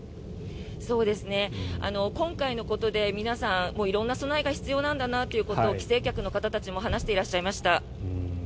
今回のことで皆さん色んな備えが必要なんだということを帰省客の方たちも話していらっしゃいました。